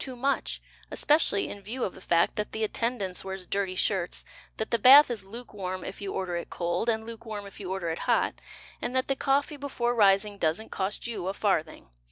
too much, Especially in view of the fact That the attendance wears dirty shirts, That the bath Is lukewarm if you order it cold And lukewarm if you order it hot; And that the coffee before rising Doesn't cost you a farthing.